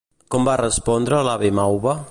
Com va respondre l'avi Mauva?